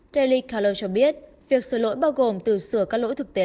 daily caller cho biết việc sửa lỗi bao gồm từ sửa các lỗi thực tế